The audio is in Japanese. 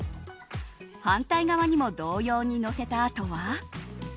反対側にも同様にのせたあとは。